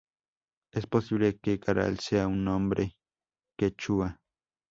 Es posible que Caral sea un nombre quechua.